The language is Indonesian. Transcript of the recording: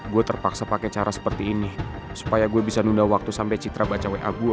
gue terpaksa pakai cara seperti ini supaya gue bisa nunda waktu sampai citra baca wa gue